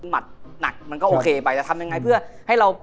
หัดหนักมันก็โอเคไปจะทำยังไงเพื่อให้เรา